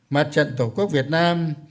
mặt trận tổ quốc việt nam